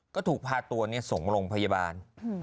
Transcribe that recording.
ก็ถูกพาตัวเนี่ยส่งลงพยาบาล